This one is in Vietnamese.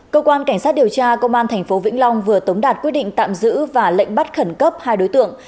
cơ quan cảnh sát điều tra công an tp vĩnh long vừa tống đạt quyết định tạm giữ và lệnh bắt khẩn cấp hai đối tượng